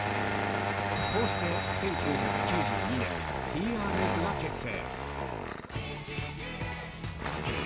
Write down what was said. こうして１９９２年、ＴＲＦが結成。